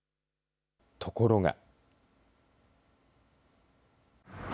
ところが。